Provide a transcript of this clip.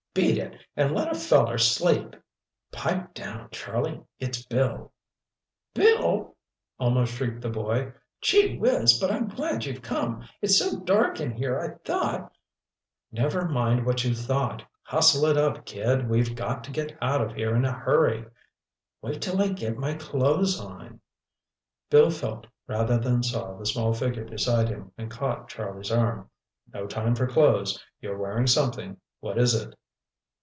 Beat it, and let a feller sleep!" "Pipe down, Charlie, it's Bill!" "Bill!" almost shrieked the boy. "Gee whizz, but I'm glad you've come. It's so dark in here—I thought—" "Never mind what you thought. Hustle it up, kid—we've got to get out of here in a hurry." "Wait till I get my clothes on—" Bill felt rather than saw the small figure beside him and caught Charlie's arm. "No time for clothes. You're wearing something—what is it?"